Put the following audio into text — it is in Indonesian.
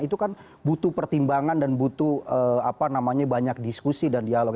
itu kan butuh pertimbangan dan butuh banyak diskusi dan dialog